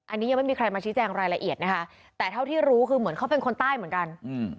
อันนี้ยังไม่มีใครมาชี้แจงรายละเอียดนะคะแต่เท่าที่รู้คือเหมือนเขาเป็นคนใต้เหมือนกันอืม